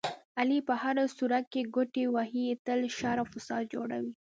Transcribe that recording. علي په هره سوړه کې ګوتې وهي، تل شر او فساد جوړوي.